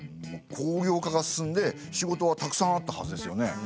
工業化が進んで仕事はたくさんあったはずですよね。